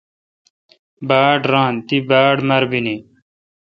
باڑ ران۔ تی باڑمربینی۔